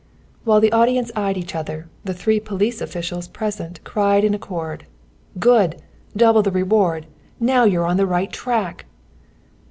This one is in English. While the audience eyed each other, the three police officials present cried in accord: "Good; double the reward. NOW YOU'RE ON THE RIGHT TRACK."